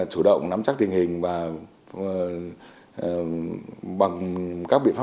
chủ động nắm chắc tình hình